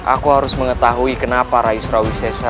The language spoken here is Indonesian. aku harus mengetahui kenapa para israwi saya